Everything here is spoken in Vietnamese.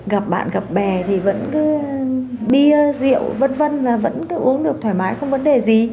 gặp bạn gặp bè thì vẫn cứ đi rượu v v là vẫn cứ uống được thoải mái không vấn đề gì